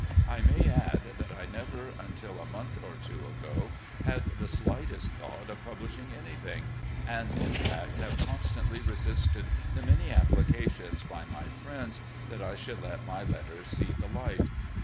I may add that I never until a month or two ago had the slightest thought of publishing anything, and, in fact, have constantly resisted the many applications by my friends that I should let my letters see the light.